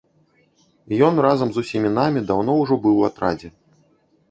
Ён разам з усімі намі даўно ўжо быў у атрадзе.